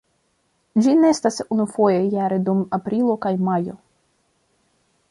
Ĝi nestas unufoje jare dum aprilo kaj majo.